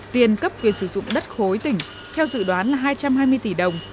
tiền cấp quyền sử dụng đất khối tỉnh theo dự đoán là hai trăm hai mươi tỷ đồng